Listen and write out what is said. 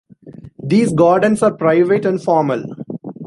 These gardens are private and formal.